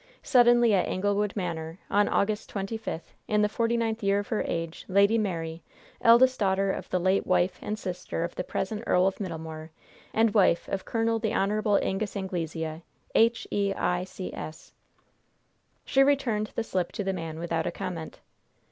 "Suddenly, at Anglewood Manor, on August twenty fifth, in the forty ninth year of her age, Lady Mary, eldest daughter of the late and sister of the present Earl of Middlemoor, and wife of Col. the Hon. Angus Anglesea, H.E.I.C.S." She returned the slip to the man without a comment.